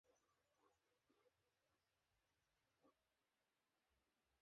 সাধারণ মানুষের জন্য খুবই সহজ ভাষায় অর্থনীতির বিষয়গুলো তিনি তুলে ধরেছেন।